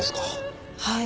はい。